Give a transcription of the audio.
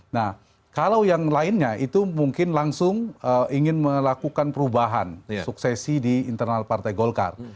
nah kalau yang lainnya itu mungkin langsung ingin melakukan perubahan suksesi di internal partai golkar